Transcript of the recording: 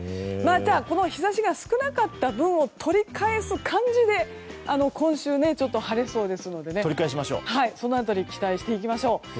じゃあ、その日差しが少なかった分を取り返す感じで今週、晴れそうですのでその辺り期待していきましょう。